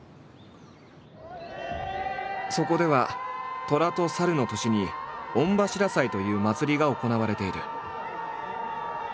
そこでは寅と申の年に「御柱祭」という祭りが行われている。